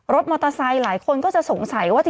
รถมอเตอร์ไซค์หลายคนก็จะสงสัยว่า